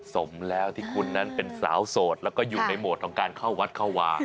สมแล้วที่คุณนั้นเป็นสาวโสดแล้วก็อยู่ในโหมดของการเข้าวัดเข้าวา